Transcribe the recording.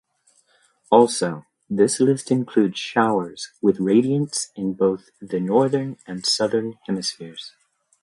Also, this list includes showers with radiants in both the northern and southern hemispheres.